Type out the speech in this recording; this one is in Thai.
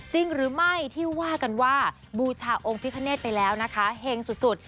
จริงหรือไม่ที่ว่ากันว่าบูชาองค์พิคเนธไปแล้วนะคะเห็งสุด